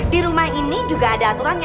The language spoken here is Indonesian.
di rumah ini juga ada aturannya